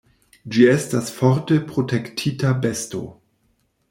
Ĝi estas forte protektita besto.